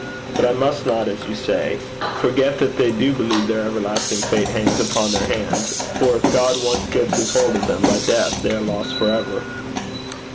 But I must not, as you say, forget that they do believe their everlasting fate hangs upon their hands, for if God once gets his hold of them by death, they are lost for ever.'